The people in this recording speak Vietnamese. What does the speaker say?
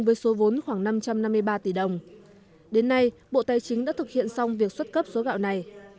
với số vốn khoảng năm trăm năm mươi ba tỷ đồng đến nay bộ tài chính đã thực hiện xong việc xuất cấp số gạo này